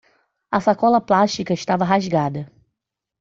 A sacola plástica estava rasgada.